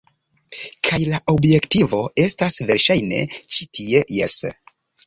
Kaj la objektivo estas, verŝajne, ĉi tie. Jes.